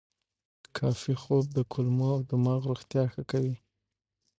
کافي خوب د کولمو او دماغ روغتیا ښه کوي.